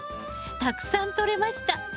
たくさんとれました！